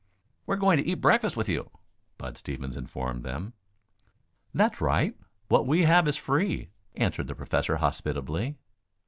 "We're going to eat breakfast with you," Bud Stevens informed them. "That's right. What we have is free," answered the Professor hospitably.